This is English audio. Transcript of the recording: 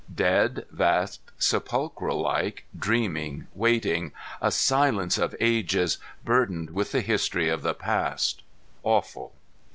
Dead, vast, sepulchre like, dreaming, waiting, a silence of ages, burdened with the history of the past, awful!